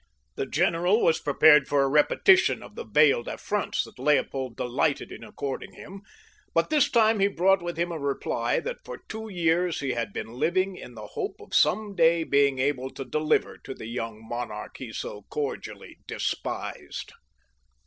The general was prepared for a repetition of the veiled affronts that Leopold delighted in according him; but this time he brought with him a reply that for two years he had been living in the hope of some day being able to deliver to the young monarch he so cordially despised.